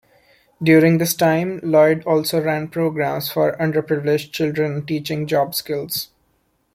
During this time, Lloyd also ran programs for underprivileged children teaching job skills.